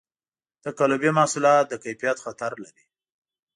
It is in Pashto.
تقلبي محصولات د کیفیت خطر لري.